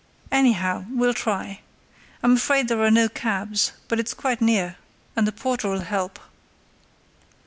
"Anyhow, we'll try. I'm afraid there are no cabs; but it's quite near, and the porter'll help."